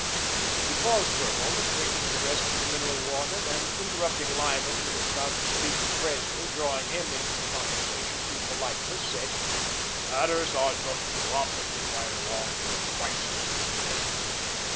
He paused for a moment, drinking the rest of the mineral water, then interrupting Lyman, who was about to speak to Presley, drawing him into the conversation through politeness, said: "Matters are just romping right along to a crisis these days.